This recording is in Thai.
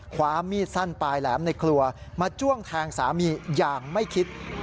ความมีดสั้นปลายแหลมในครัวมาจ้วงแทงสามีอย่างไม่คิด